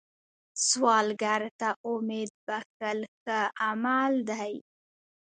سوالګر ته امید بښل ښه عمل دی